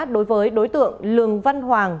đối với đối tượng lương văn hoàng